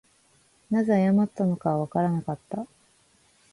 何故謝ったのかはわからなかった